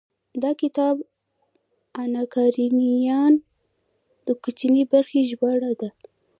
دا کتاب اناکارينينا د کوچنۍ برخې ژباړه ده.